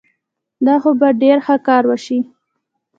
دا خو به ډېر ښه کار وشي.